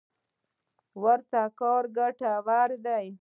ورته کار ګټور دی.